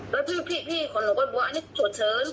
แล้วพี่ของหนูก็บอกว่าอันนี้ฉุกเฉิน